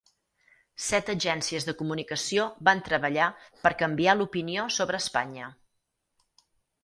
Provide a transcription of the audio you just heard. Set agències de comunicació van treballar per canviar l'opinió sobre Espanya